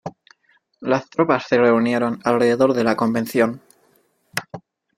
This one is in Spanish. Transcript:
Las tropas se reunieron alrededor de la Convención.